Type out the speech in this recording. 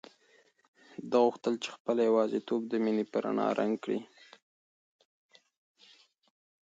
ده غوښتل چې خپله یوازیتوب د مینې په رڼا رنګ کړي.